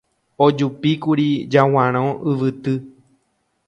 Ojupíkuri Jaguarõ yvyty.